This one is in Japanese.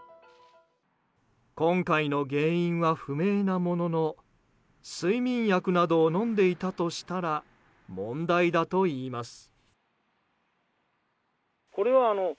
今回の原因は不明なものの睡眠薬などを飲んでいたとしたら問題だといいます。